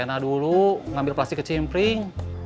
ngerena dulu ngambil plastik ke cimpring